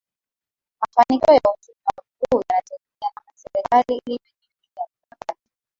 Mafanikio ya uchumi wa buluu yanategema namna serikali ilivyojiwekea mikakati